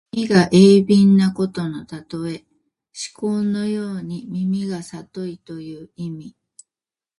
耳が鋭敏なことのたとえ。師曠のように耳がさといという意味。